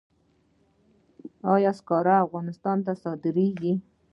آیا سکاره پاکستان ته صادریږي؟